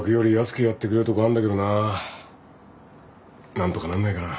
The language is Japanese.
何とかなんないかな。